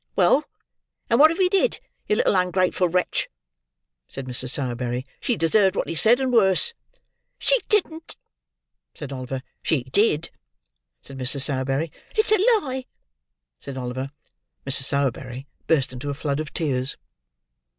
"Well, and what if he did, you little ungrateful wretch?" said Mrs. Sowerberry. "She deserved what he said, and worse." "She didn't" said Oliver. "She did," said Mrs. Sowerberry. "It's a lie!" said Oliver. Mrs. Sowerberry burst into a flood of tears.